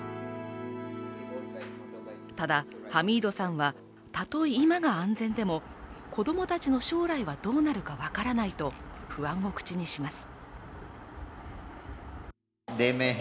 ただ、ハミードさんは、たとえ今が安全でも子供たちの将来はどうなるか分からないと不安を口にします。